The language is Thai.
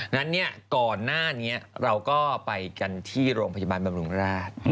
นั้นก่อนหน้านี้เราก็ไปกันที่โรงพยาบาลบำรุงราช